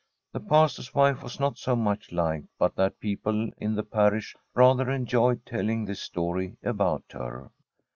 The Pastor's wife was not so much liked but that people in the parish rather enjoyed telling this story about her.